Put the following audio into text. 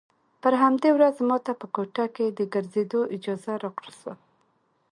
پر همدې ورځ ما ته په کوټه کښې د ګرځېدو اجازه راکړل سوه.